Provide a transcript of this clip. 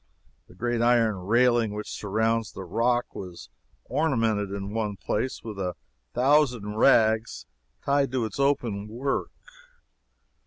The great iron railing which surrounds the rock was ornamented in one place with a thousand rags tied to its open work.